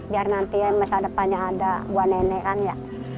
biar nanti masa depannya ada buah nenekan ya